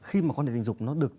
khi mà quan điểm tình dục